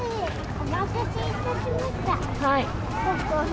お待たせいたしました。